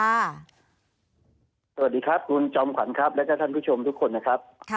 สวัสดีครับคุณจอมขวัญครับแล้วก็ท่านผู้ชมทุกคนนะครับ